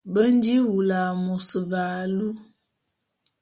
Be nji wulu a môs ve alu.